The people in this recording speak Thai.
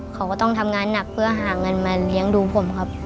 เขาก็ต้องทำงานหนักเพื่อหาเงินมาเลี้ยงดูผมครับ